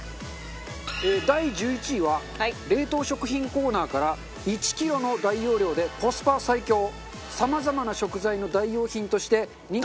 第１１位は冷凍食品コーナーから１キロの大容量でコスパ最強さまざまな食材の代用品として人気の商品です。